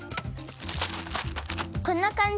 こんなかんじ？